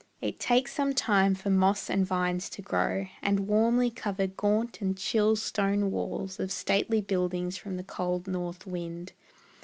It takes some time for moss and vines to grow And warmly cover gaunt and chill stone walls Of stately buildings from the cold North Wind.